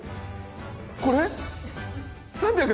これ？